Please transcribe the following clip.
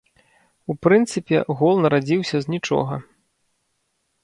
У прынцыпе, гол нарадзіўся з нічога.